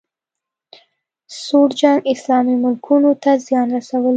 سوړ جنګ اسلامي ملکونو ته زیان رسولی